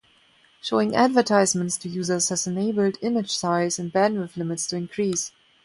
Showing advertisements to users has enabled image size and bandwidth limits to increase.